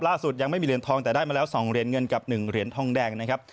ล่าสุดยังไม่มีเหรียญทองแต่ได้มาแล้ว๒เหรียญเงินกับ๑เหรียญทองแดงนะครับ